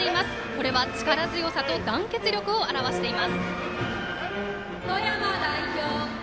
これは力強さを団結力を表しています。